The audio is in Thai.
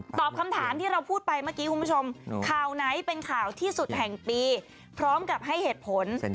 ตอบคำถามที่เราพูดไปเมื่อกี้คุณผู้ชมข่าวไหนเป็นข่าวที่สุดแห่งปีพร้อมกับให้เหตุผล